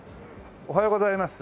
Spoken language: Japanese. おはようございます。